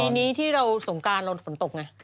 ปีนี้ที่เราสงการเราฝนตกไง